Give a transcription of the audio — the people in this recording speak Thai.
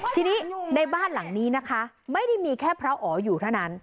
ทีนี้ในบ้านหลังนี้นะคะไม่ได้มีแค่พระอ๋ออยู่เท่านั้น